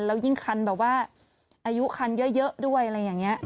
แล้วยิ่งคันแบบว่าอายุคันเยอะด้วยอะไรอย่างนี้